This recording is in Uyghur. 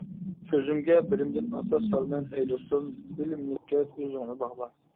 سۆزۈمگە بىلىمدىن ئاساس سالىمەن، ئەي دوستۇم، بىلىملىككە ئۆزۈڭنى باغلا.